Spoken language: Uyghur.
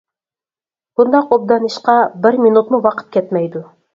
بۇنداق ئوبدان ئىشقا بىر مىنۇتمۇ ۋاقىت كەتمەيدۇ.